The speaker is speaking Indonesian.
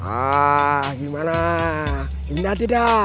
ah gimana indah tidak